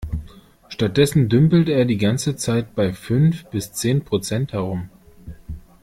Stattdessen dümpelt er die ganze Zeit bei fünf bis zehn Prozent herum.